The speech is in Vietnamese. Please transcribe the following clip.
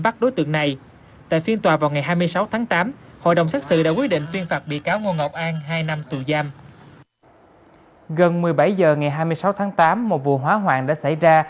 gần một mươi bảy h ngày hai mươi sáu tháng tám một vụ hóa hoàng đã xảy ra